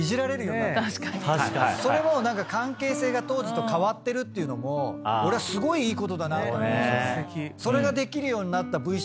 それも関係性が当時と変わってるっていうのも俺はすごいいいことだなと思うんですよ。